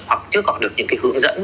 hoặc chưa có được những cái hướng dẫn